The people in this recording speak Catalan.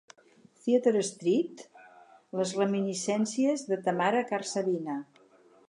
Theatre Street: Les reminiscències de Tamara Karsavina.